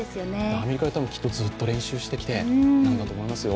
アメリカでもずっと練習してきてなんだと思いますよ。